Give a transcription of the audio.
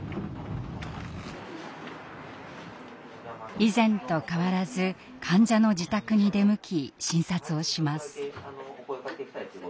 以前と変わらず患者の自宅に出向き診察をします。